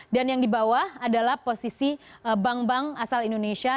dan yang di bawah adalah posisi bank bank asal indonesia